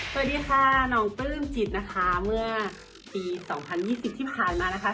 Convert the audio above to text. สวัสดีค่ะน้องปลื้มจิตนะคะเมื่อปี๒๐๒๐ที่ผ่านมานะคะ